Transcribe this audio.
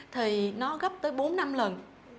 thì nó gấp tới bốn năm lần